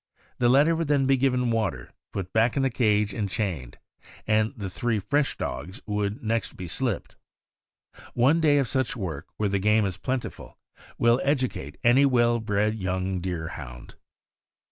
The latter would then be given water, put back in the cage and chained, and the three fresh dogs would next 182 THE AMERICAN BOOK OF THE DOG. be slipped. One day of such work, where the game is plentiful, will educate any well bred young Deerhound.